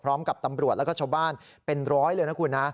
พร้อมกับตำรวจแล้วก็ชาวบ้านเป็นร้อยเลยนะคุณนะ